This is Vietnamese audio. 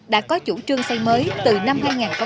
đã có chủ trương xây mới từ năm hai nghìn một mươi